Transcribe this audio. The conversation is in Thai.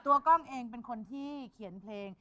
กล้องเองเป็นคนที่เขียนเพลง